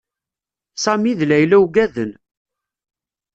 Sami d Layla uggaden.